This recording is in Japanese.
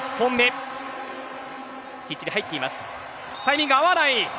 タイミング合わない。